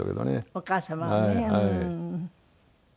お母様はねうん。